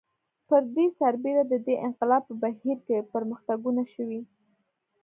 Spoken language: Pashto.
پر دې سربېره د دې انقلاب په بهیر کې پرمختګونه شوي